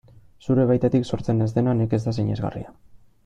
Zure baitatik sortzen ez dena nekez da sinesgarria.